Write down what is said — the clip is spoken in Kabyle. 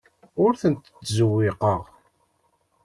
Ur tent-ttzewwiqeɣ.